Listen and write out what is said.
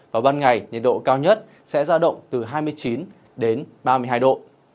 vào ban ngày nhiệt độ cao nhất sẽ ra động từ hai mươi chín đến ba mươi hai độ